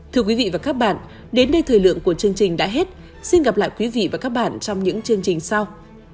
thưa quý vị và các bạn đến đây thời lượng của chương trình đã hết xin gặp lại quý vị và các bạn trong những chương trình sau